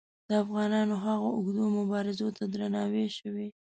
د افغانانو هغو اوږدو مبارزو ته درناوی شوی.